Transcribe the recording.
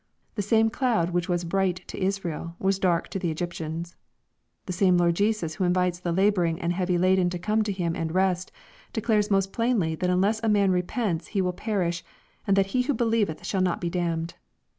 The same cloud which was bright to Israel was dark to the Egyptians. The same Lord Jesus who invites the laboring and heavy laden to come to Him and rest, declares most plainly that unless a man repents he will perish, and that he who believeth not shall be damned.